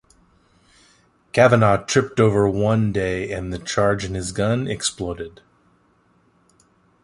Kavanagh tripped over one day and the charge in his gun exploded.